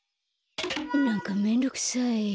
なんかめんどくさい。